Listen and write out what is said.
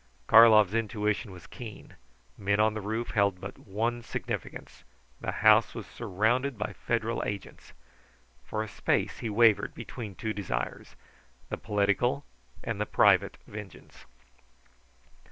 Karlov's intuition was keen. Men on the roof held but one significance. The house was surrounded by Federal agents. For a space he wavered between two desires, the political and the private vengeance.